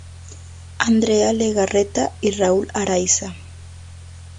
Andrea Legarreta y Raúl Araiza.